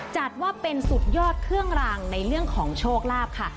จัดว่าเป็นสุดยอดเครื่องรางในเรื่องของโชคลาภค่ะ